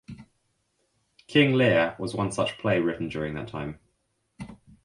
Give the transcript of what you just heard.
King Lear was one such play written during that time.